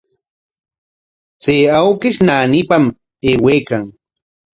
Chay awkish naanipam aywaykan.